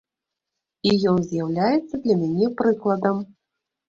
І ён з'яўляецца для мяне прыкладам.